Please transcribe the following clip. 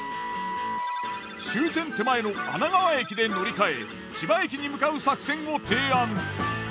終点手前の穴川駅で乗り換え千葉駅に向かう作戦を提案。